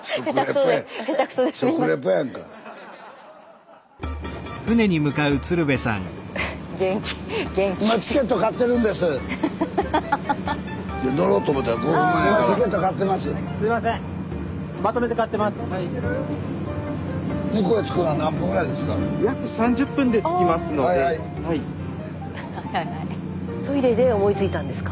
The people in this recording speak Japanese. スタジオトイレで思いついたんですか？